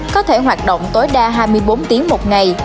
có thể hoạt động tối đa hai mươi bốn tiếng một ngày